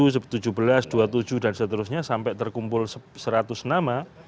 tujuh belas dua puluh tujuh dan seterusnya sampai terkumpul seratus nama